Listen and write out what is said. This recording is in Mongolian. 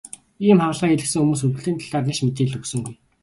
Ийм хагалгаа хийлгэсэн хүмүүс өвдөлтийн талаар нэг ч мэдээлэл өгсөнгүй.